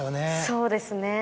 そうですね。